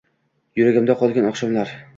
Yuragimda qolgan oqshomlar…